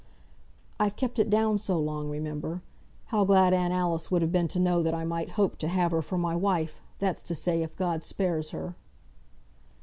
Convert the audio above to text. "I've kept it down so long, remember. How glad Aunt Alice would have been to know that I might hope to have her for my wife! that's to say, if God spares her!"